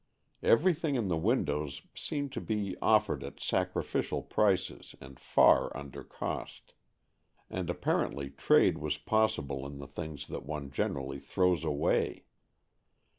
Everything in the windows seemed to be offered at sacrificial prices and far under cost. And apparently trade was possible in the things that one generally throws away.